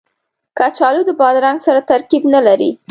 کچالو د بادرنګ سره ترکیب نه لري